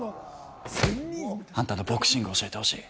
あんたのボクシングを教えてほしい。